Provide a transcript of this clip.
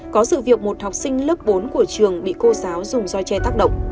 có sự việc một học sinh lớp bốn của trường bị cô giáo dùng roi tre tác động